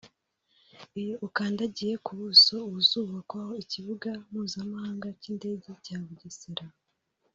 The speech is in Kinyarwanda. Iyo ukandagiye ku buso buzubakwaho ikibuga mpuzamahanga cy’indege cya Bugesera